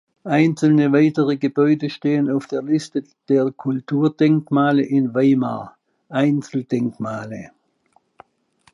Einzelne weitere Gebäude stehen auf der Liste der Kulturdenkmale in Weimar (Einzeldenkmale).